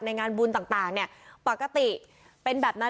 งานบุญต่างเนี่ยปกติเป็นแบบนั้น